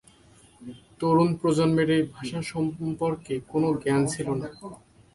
তরুণ প্রজন্মের এই ভাষা সম্পর্কে কোনও জ্ঞান ছিল না।